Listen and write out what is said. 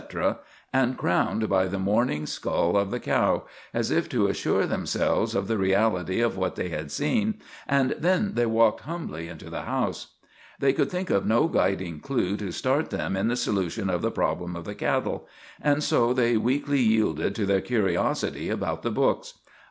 and crowned by the mourning skull of the cow, as if to assure themselves of the reality of what they had seen, and then they walked humbly into the house. They could think of no guiding clue to start them in the solution of the problem of the cattle, and so they weakly yielded to their curiosity about the books.